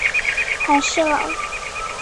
还是老人